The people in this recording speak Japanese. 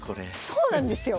そうなんですよ。